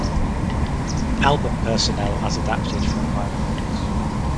Album personnel as adapted from liner notes.